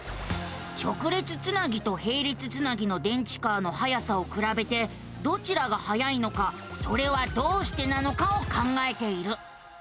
直列つなぎとへい列つなぎの電池カーのはやさをくらべてどちらがはやいのかそれはどうしてなのかを考えている。